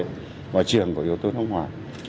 ngoài trường của yếu tố thông hoàng